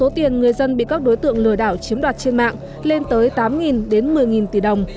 tiền người dân bị các đối tượng lừa đảo chiếm đoạt trên mạng lên tới tám đến một mươi tỷ đồng